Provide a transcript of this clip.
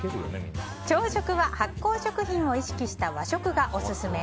朝食は発酵食品を意識した和食がオススメ。